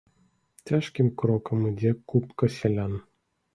Цяжкім крокам ідзе купка сялян.